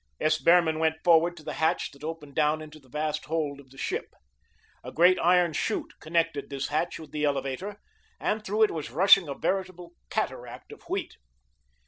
S. Behrman went forward to the hatch that opened down into the vast hold of the ship. A great iron chute connected this hatch with the elevator, and through it was rushing a veritable cataract of wheat.